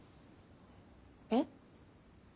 えっ？